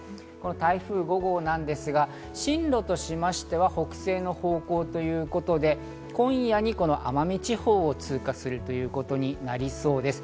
台風５号なんですが、進路としましては北西の方向ということで、今夜に奄美地方を通過するということになりそうです。